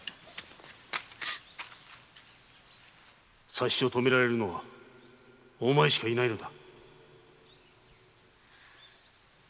佐七を止められるのはお前しかいないのだ。